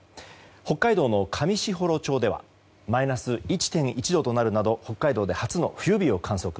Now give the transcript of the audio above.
北海道の上士幌町ではマイナス１．１度となるなど北海道で初の冬日を観測。